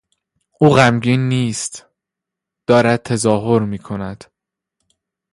او غمگین نیست، دارد تظاهر میکند.